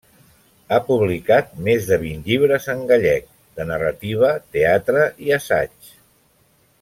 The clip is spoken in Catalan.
Ha publicat més de vint llibres en gallec de narrativa, teatre i assaig.